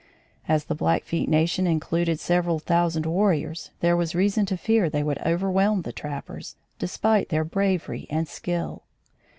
As the Blackfeet nation included several thousand warriors, there was reason to fear they would overwhelm the trappers, despite their bravery and skill.